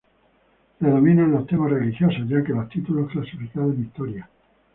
Predominan los temas religiosos ya que los títulos clasificados en Historia.